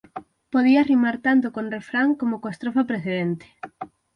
Podía rimar tanto con refrán como coa estrofa precedente.